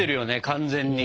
完全に。